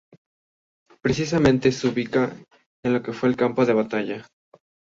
Precisamente, se ubica en lo que fue el campo de batalla.